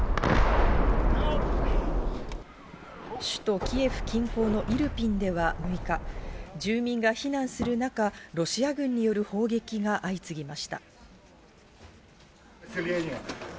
首都キエフ近郊のイルピンでは６日、住民が避難する中、ロシア軍による砲撃が相次ぎました。